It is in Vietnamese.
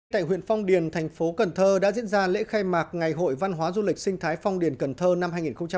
tại huyện phong điền thành phố cần thơ đã diễn ra lễ khai mạc ngày hội văn hóa du lịch sinh thái phong điền cần thơ năm hai nghìn một mươi chín